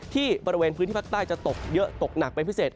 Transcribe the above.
บริเวณพื้นที่ภาคใต้จะตกเยอะตกหนักเป็นพิเศษ